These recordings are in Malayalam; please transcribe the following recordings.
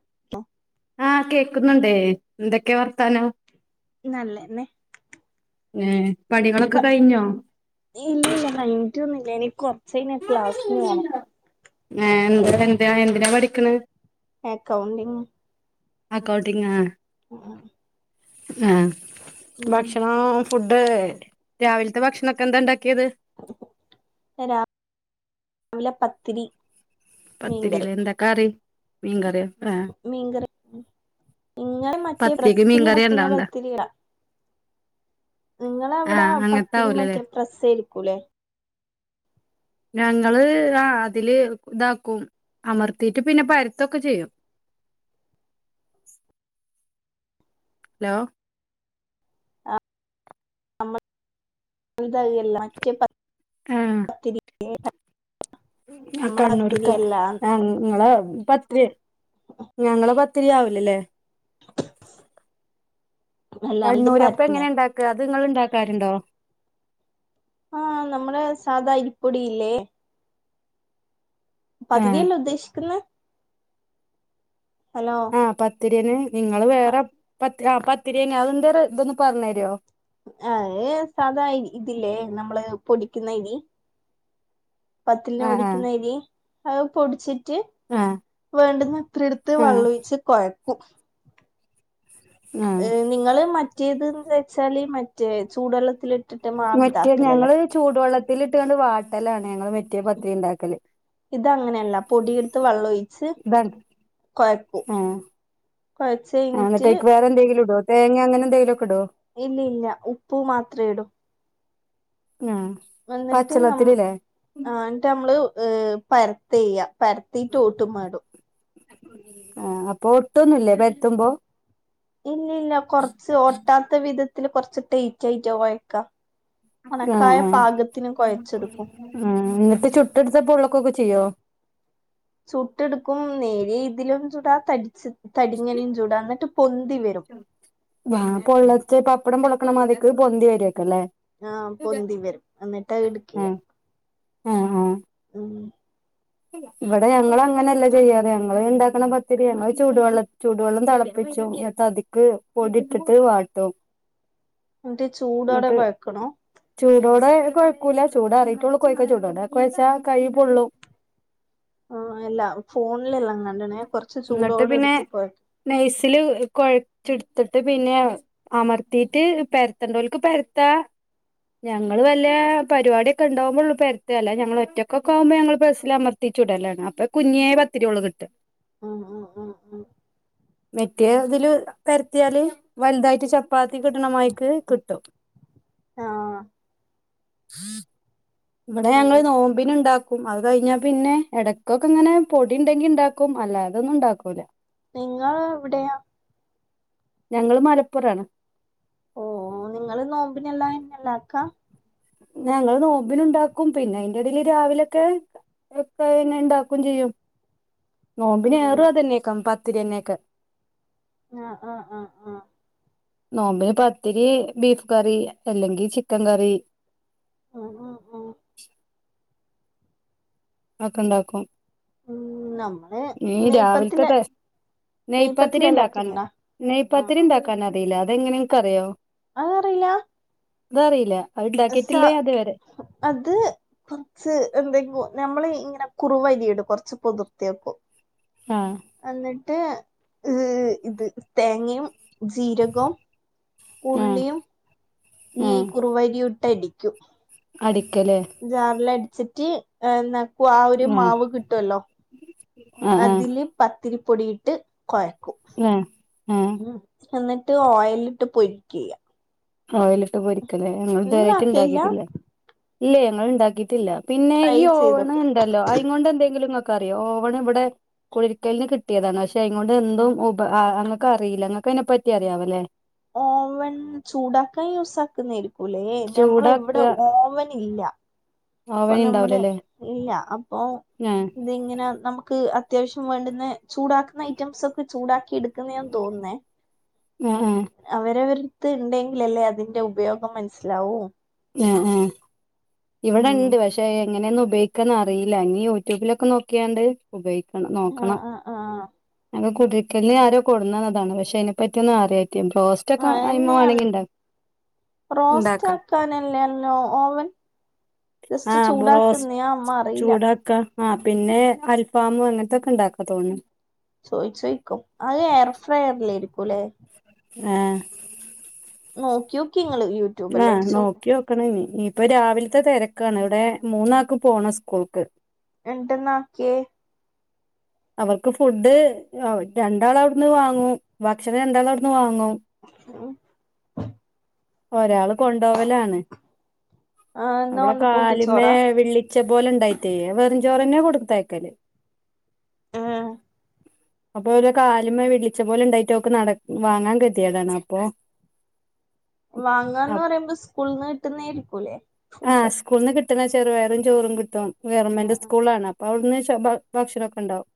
[inaudible] ആഹ് കേക്കുന്നുണ്ടേ എന്തൊക്കെ വർത്താനം നല്ലെന്നെ ഏഹ് പണികളൊക്കെ കഴിഞ്ഞോ എനിക്കും സെയിമേ ക്ലാസ്സിനോണം. ഏഹ് എന്താ എന്തിനാ പഠിനകേനെ കൗണ്ടിങ് ആഹ് കൗട്ടിങ്ങ [inaudible] ആഹ് ഉം ഭക്ഷണം ഫുഡ് രാവിലത്തെ ഭക്ഷണൊക്കെ എന്തണ്ടാ ക്കിത് രാവിലെ പത്തിരി മീൻകറി പത്തിരിലേ എന്താ കറി മീൻകാറിയോ ആഹ് ഇങ്ങനെ മറ്റേ പത്തിരിക്ക് ബ്രസ്സിൽ മീൻകറി നടക്കുന്ന ഉണ്ടാവണ്ട പത്തിരീടാ നിങ്ങള് അവിടെ ആഹ് അങ്ങനത്തെ പത്തിരി ആവൂലല്ലേ മറ്റേ പ്രസ്സ് എടുക്കൂലേ ഞങ്ങള് ആ അതില് ഇതാക്കും അമർത്തീട്ട് പിന്നെ പരുത്തൊക്കെ ചെയ്യും ഹലോ ആ നമ്മൾ [inaudible] ആഹ് [inaudible] ആ നമ്മളെ കണ്ണൂർക്കെ പത്തിരിയല്ല ആ ഇങ്ങളെ പത്രി ഞങ്ങള പത് ഒത്തിരിയാവില്ലല്ലേ അല്ല നമ്മൾത് കണ്ണൂര് അപ്പൊ പരത്തുന്നേ എങ്ങനെ ഇണ്ടാക്കാ അത് ഇങ്ങള് ഇണ്ടാക്കാറുണ്ടോ ആഹ് നമ്മടെ സാധാ അരിപ്പൊടിയില്ലേ ആഹ് പതിരിയല്ലേ ഉദ്ദേശിക്കുന്നെ ഹലോ ആഹ് പത്തിരിയന്നെ നിങ്ങള് വേറെ പത് ആ പത്തിരിയന്നെ അതിൻ്റൊരു ഇതൊന്ന് പറഞ്ഞരോ ആ ഏ സാധാ ഇതില്ലേ നമ്മള് പൊടിക്കുന്ന അരി പത്തിരിന് ആഹ് പൊടിക്കുന്ന ആഹ് അരി അത് പൊടിച്ചിട്ട് ആഹ് വേണ്ടുന്ന അത്രയും എടുത്ത് ആഹ് വെള്ളൊഴിച്ച് കൊഴക്കും ആഹ് ഏ നിങ്ങള് മറ്റേത്ന്ന് വെച്ചാല് മറ്റേ ചൂടൊള്ള മറ്റേ ഞങ്ങള് ചൂടുവെള്ളത്തിലിട്ട്ങ്ങണ്ട് വാട്ടലാണ് ഞങ്ങള് വെ ഇത് അങ്ങനല്ല പൊടിയെട്ത്ത് വെള്ളം ഒഴിച്ച് ഇതാണ് കൊഴക്കൂ അങ്ങനത്തേക്ക് വേറെ എന്തേങ്കിലും ഇടുവോ തേങ്ങയോ അങ്ങനെ എന്തേലും ഇല്ല ഇല്ല ഉപ്പു മാത്രം ഇടും ആഹ് വന്നിട്ട് ന പച്ചള്ളത്തിലില്ലേ ആ എന്നിട്ട് നമ്മള് ഏ പരത്തെയ്യാ പരത്തീട്ട് ഓട്ടുമ ഇടും ആഹ് അപ്പൊ ഒട്ടൂന്നുല്ലേ പരത്തുമ്പോ ഇല്ല ഇല്ല കൊറച്ച് ഒട്ടാത്ത വിധത്തില് കൊറച്ച് ടൈടായിട്ടാ കൊഴക്കാ ആഹ് ആഹ് കൊഴച്ചെടുക്കും ആ ഇത് ചുട്ടെടുത്ത പൊള്ളക്കൊക്കെ ചെയ്യോ ചുട്ടെടുക്കും നേരെ ഇതിലും ചുടാ തടിച്ച് തടിങ്ങനും ചുടാ എന്നിട്ട് പൊന്തി വരും വ പൊള്ളത്ത പപ്പടം പൊളക്കണ മാതിക്ക് പൊന്തി വരാര്ക്കും അല്ലേ ആഹ് പൊന്തി വരും എന്നിട്ടാ എടുക്കിയാ ആ ആ ഇവിടെ ഞങ്ങളും അങ്ങനെയല്ല ചെയ്യാറ് ഞങ്ങള് ഇണ്ടാക്കണ പത്തിരി ഞങ്ങള് ചൂടുവെള്ളം ചൂടുവെള്ളം തെളപ്പി [unintelligible] അതിക് പൊടി ഇട്ടിട്ട് വാട്ടും എന്നിട്ട് ചൂടോടെ എന്നിട്ട് വഴക്കണോ ചൂടോടെ കൊഴക്കൂല്ല ചൂട് ആറിയിട്ടേഉള്ളൂ കൊഴക്ക ചുടോ അല്ലാത കൊഴച്ച കൈ പൊള്ളും ആ എല്ലാ ഫോണിലെല്ലാം കണ്ടണേ കൊറച്ച് എന്നിട്ട് ചൂടോടെ പിന്നെ എടുത്ത് കൊഴ നൈസ്സില് കൊഴ ചുടുത്തിട്ട് പിന്നെ അമർത്തിയിട്ട് പെരത്തണ്ടോൽക്ക് പരത്താ ഞങ്ങള് വല്ല പരിപാടിയൊക്കെ ഉണ്ടാവുമ്പോ ഉള്ള പരുത്താ അല്ലാതെ ഞങ്ങള് ഒറ്റക്കൊക്കെ ആവുമ്പോ ഞങ്ങള് പ്രസ്സിൽ അമർത്തി ചുടലാണ് അപ്പൊ കുഞ്ഞിയെ പത്തിരിയോള് കിട്ടും ആഹ് ആഹ് ആഹ് ആഹ് മെറ്റേ അതില് പരത്തിയാല് വലുതായിട്ട് ചപ്പാത്തി കിട്ടണമായിക്ക് കിട്ടും ആഹ് ഇവിടെ ഉം ഞങ്ങള് നോമ്പിന് ഉണ്ടാക്കും അത് കഴിഞ്ഞാ പിന്നെ ഇടക്കൊക്കെ ഇങ്ങനെ പൊടി ഉണ്ടെങ്കി ഉണ്ടാക്കും അല്ല അതൊന്നും ഉണ്ടാക്കൂല നിങ്ങള് എവിടെയാ ഞങ്ങള് മലപ്പുറാണ് ഓ നിങ്ങള് നോമ്പിനെല്ലാം [inaudible] ഞങ്ങള് നോമ്പിന് ഉണ്ടാക്കും പിന്നെ അയിന്റെ ഇടേൽ രാവിലൊക്കെ ഒക്കെ ന് ഇണ്ടാക്കയും ചെയ്യും നോമ്പിന് ഉം ഏറെ അതല്ലേ ആഹ് ആഹ് ആഹ് ആഹ് നോമ്പിന് പത്തിരി ബീഫ് കറി അല്ലെങ്കി ചിക്കൻ കറി ഉം ഉം ഉം ഒക്കെണ്ടാക്കും ഉമ് നമ്മള് നെയ്യ് പത്തൽ നെയ്പാത്തിരി ഉണ്ടാക്കാന് നെയ്പാത്തിരി ആഹ് ഉണ്ടാക്കാൻ അറിയില്ല അതെങ്ങനെ നിനക്ക് അറിയാവോ അതറിയില്ല അത് അറിയില്ല സാ അത് കുറച്ച് എന്തെങ്കി നമ്മൾ ഇങ്ങനെ കുറുവരി ഇടും കുറച്ച് കുതിർത്തിവയ്ക്കും ആഹ് എന്നിട്ട് ട്ട് ഈ ഇത് തേങ്ങയും ജീരകോം ആഹ് ഉള്ളിയും ഈ ആഹ് കുറുവരിയിട്ടടിക്കും അടിക്കലേ ജാറില് അടിച്ചിട്ട് നക്കൂ ആ ഒരു ആഹ് മാവ് കിട്ടുവല്ലോ ആഹ് ആഹ് അതില് പത്തിരിപ്പൊടിട്ട് കോയ ആഹ് ആഹ് എന്നിട്ട് ഓയിലിട്ട് പൊരികുവ ചെയ്യാ ഓയിലിട്ട് പൊരിക്കല്ലേ ഞങ്ങൾ ഇതുവരായിട്ട് നിങ്ങളാക്കയില്ല ഇണ്ടാക്കിട്ടില്ല ഇല്ലേ മ്മള് ഉണ്ടാക്കിട്ടില്ല പിന്നെ ട്രൈ ഈ ഓവൺ ചെയ്തോക്ക് ഉണ്ടല്ലോ അതുകൊണ്ട് എന്തെങ്കിലും ക്കറിയോ ഓവൻ ഇവിടെ കൊഴികലിൻ കിട്ടിയതാണ് പക്ഷെ അതുങ്ങോണ്ട് എന്തു അതിനെപ്പറ്റി അറിയാവ ല്ലേ ഓവൺ ചൂടാക്കാൻ യൂസ് ആക്കുന്നരിക്കും ല്ലേ ഞമ്മള് ചൂടാക്ക ഇവിടെ ഓവൻ ഇല്ല അപ്പൊ ഓവൻ നമ്മള് ഇണ്ടാവൂലല്ലേ ഇല്ല അപ്പൊ ആഹ് ഇതിങ്ങനെ നമുക്ക് അത്യവശ്യം വേണ്ടുന്ന ചൂടാക്കുന്ന ഐറ്റംസ് ഒക്കെ ചൂടാക്കി എടുക്കുന്നേയാന്ന് തോന്നുന്നേ ആഹ് ആഹ് അവരവരിടത്ത് ഉണ്ടെങ്കിലല്ലേ അതിന്റെ ഉപയോഗം മനസ്സിലാവൂ ആഹ് ആഹ് ഇവിടെ ഉം ഉണ്ട് പക്ഷെ എങ്ങനെയാന്ന് ഉപയോഗിക്കാന്ന് അറിയില്ല ഇനി യൂട്യൂബിലൊക്കെ നോക്കിയാണ്ട് ഉപയോഗി ആഹ് നോക്കണം ആഹ് ആഹ് കുഴികലിന് ആരോ കൊണ്ട്താന്നാണ് പക്ഷെ അതിനെ പറ്റി ഒന്നും അ റോസ്റ്റ് ഒക്കെ ആഹ് അതിമേ എന്നെയാന്ന് വേണെങ്കില് ഉണ്ടാക്ക റോസ്റ്റ് ഓവൻ ജസ്റ്റ് ആഹ് ബ്രോസ് ചൂടാക്കുന്ന യമ്മ അറിയില്ല ചൂടാക്കാ ആഹ് പിന്നെ അൽഫാമോ അങ്ങനത്തൊക്കെ ഉണ്ടാക്കാന്ന് തോന്നുന്നു ചോയിചോയിക്കും അഹ് എയെർ ഫ്രയർല്ലെയ്രിക്കും ലെ ആഹ് നോക്കിയോക്കി ഇങ്ങള് യൂട്യൂബെല്ലാം ആഹ് അടിച്ചോക്ക് നോക്കിയോക്കെണം ഇനി ഇപ്പ രാവിൽത്തെ തെരക്കാണ് ഇവെടെ മൂന്നാക്ക് പോണം സ്കൂൾക്ക് എന്ന്ട്ട് എന്നാക്കിയേ? അവെർക്ക് ഫുഡ് ആ ഓൽ രണ്ടാൾ അയുട്ന്ന് വാങ്ങും ഭക്ഷണം രണ്ടാൾ അയുട്ന്ന് വാങ്ങും ആ ഒരാള് കൊണ്ടോവലാണ്. ആഹ് എന്നാ അവളെ കൊണ്ട് പോക്ക് കാലിമേ ചോറാ വിളിച്ച പോലെ ണ്ടായിട്ടെ വെർഞ്ചോര് ന് കൊടുതയ്ക്കല് ഉം അപ്പൊ ഓരോ കാല്മ്മ വിളിച്ച പോലെ ണ്ടായിട്ട് ഓക്ക് നട വാങ്ങാൻ കെതിയെടാണ് അപ്പൊ [inaudible] വാങ്ങാന്ന് പറയുമ്പോ സ്കൂൾന്ന് ട്ട്ന്നരിക്കുല്ലേ ആ സ്കൂൾന്ന് കിട്ട്ണ ചെറുപയറും ചോറും കിട്ടും ഗർമെന്റ് സ്കൂളാണ് അഒട്ന്ന്ച്ചാ ഭ ഭക്ഷണെക്കെ ണ്ടാവും.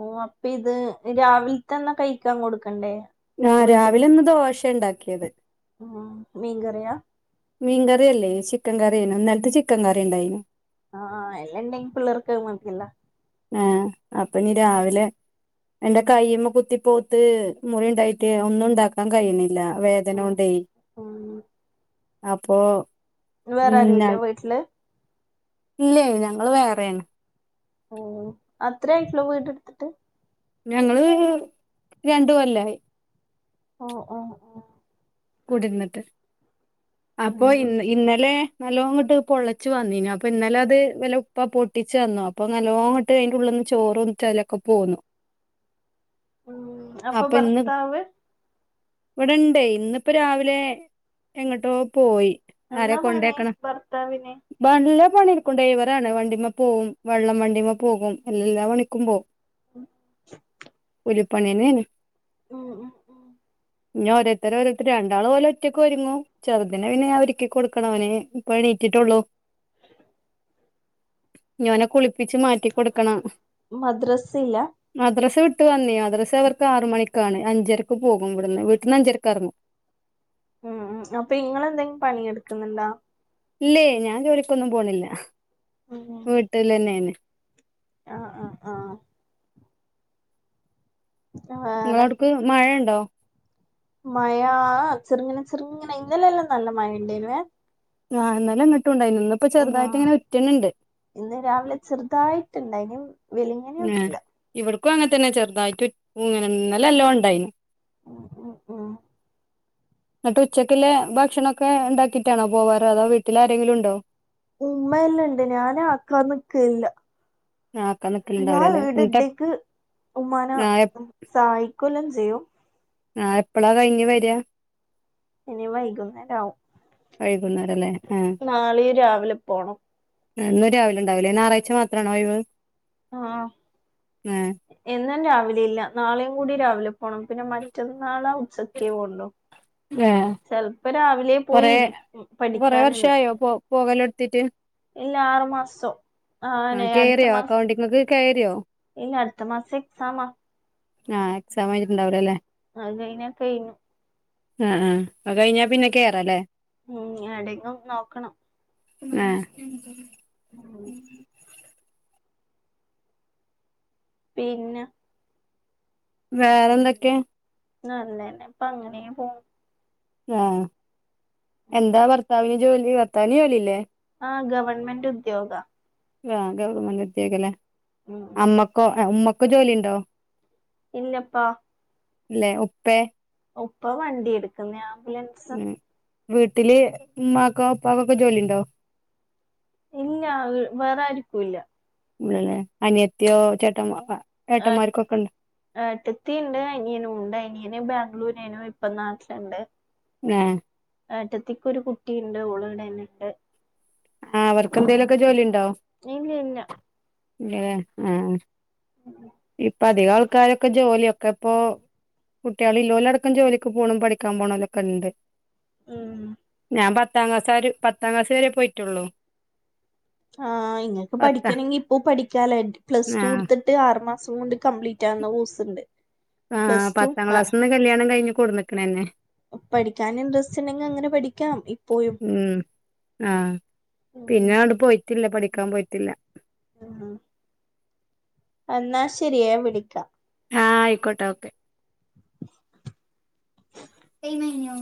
ഓ അപ്പെ ഇത് രാവിൽത്തെന്നെ കഴിക്കാ കൊടുക്കണ്ടേ. ആ വീട്ടിന്ന് രാവിലെ ഇന്ന് ദോശ ണ്ടാക്കിയത്. ഉം മീ കറിയാ മീകറിയല്ലേ ചിക്കൻ കറിനു ഇന്നൽത്ത ചിക്കൻ കറിണ്ടയിനു. ആ എല്ലാണ്ടെങ്കി പിള്ളേർക്ക് മതിയല്ലോ ആ അപ്പഞ് രാവിലെ എന്റെ കൈയ്യ്മ്മ കുത്തി പോത്ത് മുറി ണ്ടായിട്ട് ഒന്നും ണ്ടാക്കാ കഴുന്നി ല്ല ഉം വേദനൊണ്ടേ ഉം അപ്പൊ ന് വേറെ ആരുല്ലേ വീട്ട്ല്? ഇല്ലെ ഞങ്ങള് വേറെയാണ്. ഓ അത്രയിട്ടുളു വീട് ട്ത്ത്ട്ട്. ഞങ്ങള് രണ്ടു കൊല്ലായി. ഓ ഓ ഓ കുടിർന്നിട്ട് ഉം അപ്പൊ ഉം ഇന്ന് ഇന്നലെ നല്ലോങ്ങട്ട് കൊഴച്ച് വന്നീന അപ്പ ഇന്നലെ അത് വല്ല ഉപ്പ പൊട്ടിച്ചന്നു അപ്പ നല്ലോങ്ങട്ട് അയിന്റ ഉള്ള്ന്ന് ചോറുകൊട്ത്തെലൊക്കെ പോന്നു ഉം അപ്പം ഭർത്താവ് ഇവ്ടെണ്ടേ ഇന്ന്പ്പം രാവിലെ എങ്ങോട്ടോ പോയി. ആരെ എന്നാ പണി ഭർത്താവിന് വണിട്ക്കും ടെയ് വറാണ് വണ്ടിമ്മ പോവും വെള്ളം വണ്ടിമ്മ പോകും എല്ലാ പണിക്കും പോവും. [inaudible] രുപണിയെണെന്ന് ഉ ഉം ഞ് ഓരോര്ത്തരോര് രണ്ടാള് ഓല്ഒറ്റക്കെര്ങ്ങും ചെർതിന പിന്നെ ഞാഒരിക്കികൊട്ക്കണ അവന് ഇപ്പണീറ്റിട്ടുള്ളു. ഞാനൊകുളി ച് മാറ്റൊടുക്കണം മദ്രസില്ല മദ്രസ വീട്ട് വന്നി അ മദ്രസ അവർക്ക് ആറു മണിക്കാണ് അഞ്ചരക്ക് പോകും ഇവിടന്ന് വീട്ടിന്ന് അഞ്ചരക്ക്റങ്ങു ഉ ഉം അപ്പ ഇങ്ങളെന്തെ പണിയെട്ക്ക്ന്ന്ണ്ടാ. ഇല്ലേ ഞാൻ ജോലിക്കൊന്നും പോണില്ല വീട്ടില്ന്നെണ്. ആ ആ ആ ങ്ങളട്ക്ക് മഴണ്ടോ? മഴാ ചെർങ്ങനെ ചെർങ്ങനെ ഇന്നലെല്ലാം നല്ല മഴണ്ടായിന്നുവേ. ആ ഇന്നെല്ലങ്‌ ആ ഇന്ന് രാവിലെ ചെർതായിട്ട്ണ്ടായി വെലിങ്ങനെയൊന്നുല്ല ക്കു അങ്ങ തന്നെ ചെർ തായിട്ടുങ്ങനെ ഇന്നലല്ലോണ്ടായിനി. ഉ ഉ ഉം ന്ന്ട്ട് ഉച്ചക്ക്ല്ലെ ഭക്ഷണൊക്കെ ണ്ടാക്കിട്ടാണോ പോവാറ് അതോ വീട്ടിലാരെങ്കിലുണ്ടോ ഉമ്മ എല്ലാം ഇണ്ട് ഞാന് ആക്കാൻ നിക്കല്ല ആ ആക്കാൻ ഞാൻ നിക്കലുണ്ടാവൂലല്ലേ വീട് എന്നിട്ട് ടിക്ക് ഉമ്മാന ആ സായിക്കൊല്ലം ചെയ്യും ആഹ് എപ്പെളാ കഴിഞ്ഞ് വെരാ? ഇനി വൈകുന്നേര ആവും- വൈകുന്നേരം അല്ലേ ആ നാളി രാവിലെ പോണം. എന്നും രാവിലെണ്ടാവില്ലേ ഞായറാഴ്ച മാത്രമാണോ ഒഴിവ്- ആ എന്നും രാവിലെ ഇല്ല നാളെയും കൂടി രാവിലെ- പോണം പിന്നെ മറ്റന്നാളാ ഉച്ചക്കേ പോണ്ടോ- ആ ചെലപ്പോ രാവിലെ പോയി കൊറേ ഇരിക്കും കൊറെ പഠിക്കാനുണ്ട്. വർഷായോ പോ പോകലെടുത്തിട്ട് ഇല്ല ആറു മാസം- ആ ആനെ അടുത്ത കയറിയോ മാസം അക്കൗണ്ടിങ്ങക്ക് കയറിയോ. ഇല്ല അടുത്ത മാസം എക്സാമ- ആഹ് എക്സാം കഴഞ്ഞിട്ടുഇണ്ടാവില്ലല്ലേ- അത് കഴിഞ്ഞ കഴിഞ്ഞു. ആഹ് ആ് അത് കഴിഞ്ഞാ പിന്നെ കേറാല്ലേ- ഉ എടെങ്കും നോക്കണം- ആ ഉം പിന്നെ- വേറെ എന്തൊക്കെ നല്ലന്നേ ഇപ്പ അങ്ങനെ പോ- ആഹ് എന്താ ഭർത്താവിന് ജോലി ഭർത്താവിന് ജോലില്ലേ- ആ ഗവൺമെന്റ് ഉദ്യോഗ- ആ ഗവൺമെന്റ് ഉദ്യോഗ ല്ലേ ഉം അമ്മക്ക് ഉമ്മക്ക ജോലി ഉണ്ടോ? ഇല്ലപ്പാ- ഇല്ലേ ഉപ്പേ- ഉപ്പ വണ്ടി എടുക്കുന്ന ആംബുലൻസ്- ഉം വീട്ടില് ഇമ്മാക്കോ ഇപ്പാകോ ഒക്കെ ജോലിയുണ്ടോ? ഇല്ല വേറൊയിരിക്കുംല്ല- ഇല്ലലെ അനിയത്തിയോ ചേട്ട ഏഹ് ഏട്ടത്തി ഇണ്ട് അനിയനും ഉണ്ട് അനിയന് ബാംഗ്ലൂര് ഏനും ഇപ്പം നാട്ടില്ണ്ട് ഏഹ് ഏട്ടത്തിക്ക് ഒരു കുട്ടിണ്ട് ഓള് ഇവിടെന്നെണ്ട് ആഹ് അവർക്ക് എന്തേലൊക്കെ ജോലി ഇണ്ടോ? ഇല്ല്യല്ല ഏഹ് ആഹ് ഇപ്പ അധികം ആൾക്കാരോക്കെ ജോലി ഒക്കെ ഇപ്പോ കുട്ടികള് ഇല്ലോലടക്കം ജോലിക്ക് പോണും പഠിക്കാൻ പോണോലൊക്കെ ഇണ്ട് ഉം ഞാൻ പത്താം ക്ലാസാരും പത്താം ക്ലാസ് വരെ പോയിട്ടൊള്ളൂ ആഹ് ഇങ്ങക്ക് പഠിക്കാനെങ്കി ഇപ്പ പഠിക്കാലേ പ്ലസ് ആ ടു ഇട്ത്ത്ട്ട് ആറ് മാ സുണ്ട് കംപ്ലീറ്റ് ആവുന്ന വോസ് ഇണ്ട് ആഹ് പത്താം ക്ലാസ്സിൽന്ന് കല്യാണം കഴിഞ് കൊടുന്ന്ക്ക്ന് ഇന്നെ പഠിക്കാൻ ഇൻട്രസ്റ്റ് ഇണ്ടെങ്കി അങ്ങനെ പഠിക്കണം ഇപ്പോഴും ആഹ് പിന്നെ ആണ്ട് പോയിട്ടില്ല പഠിക്കാൻ പോയിട്ടില്ല. എന്നാ ശരിയേ വിളിക്കാം ആഹ ആയിക്കോട്ടെ ഓക്കെ ടൈമഴിഞ്ഞോ